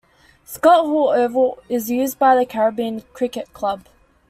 Scott Hall Oval is used by the Caribbean Cricket Club.